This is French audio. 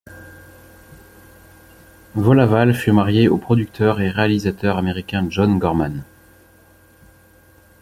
Vola Vale fut mariée au producteur et réalisateur américain John Gorman.